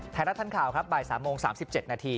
ไทยรัฐทันข่าวครับบ่าย๓โมง๓๗นาที